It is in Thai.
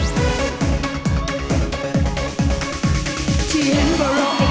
เสียบรรยาภาพ